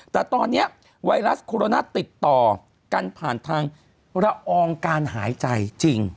แต่ตอนนี้ไวรัสโคโรนาติดต่อกันผ่านทางละอองการหายใจจริง